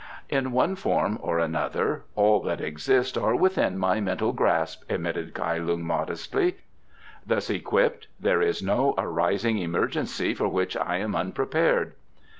"In one form or another, all that exist are within my mental grasp," admitted Kai Lung modestly. "Thus equipped, there is no arising emergency for which I am unprepared."